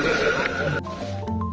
saya akan berusaha